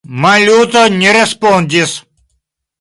Maluto ne respondis.